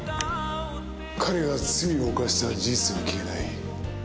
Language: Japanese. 彼が罪を犯した事実は消えない。